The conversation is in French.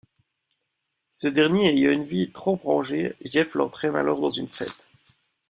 Ce dernier ayant une vie trop rangée, Jeff l'entraîne alors dans une fête.